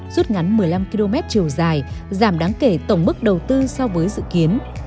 rút ngắn một mươi năm km chiều dài giảm đáng kể tổng mức đầu tư so với dự kiến